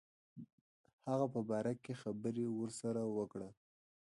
هغه په باره کې خبري ورسره وکړي.